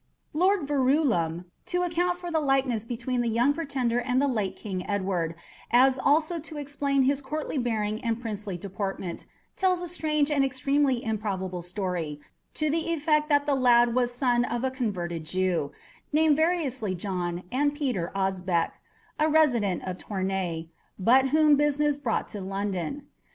Lord Verulam, to account for the likeness between the young pretender and the late King Edward, as also to explain his courtly bearing and princely deportment, tells a strange and extremely improbable story, to the effect that the lad was son of a converted Jew, named variously John, and Peter, Osbeck, a resident of Tournay, but whom business brought to London.